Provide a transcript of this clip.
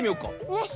よし。